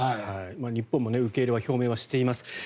日本も受け入れは表明はしています。